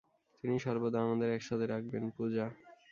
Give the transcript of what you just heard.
তিনিই সর্বদা আমাদের, একসাথে রাখবেন, পূজা।